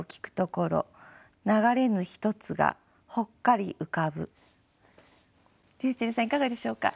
りゅうちぇるさんいかがでしょうか？